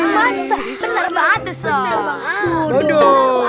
masa bener banget tuh soh